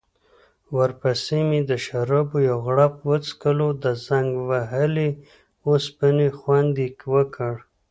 ورپسې مې د شرابو یو غوړپ وڅکلو، د زنګ وهلې اوسپنې خوند يې وکړ.